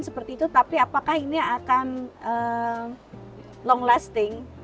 seperti itu tapi apakah ini akan long lasting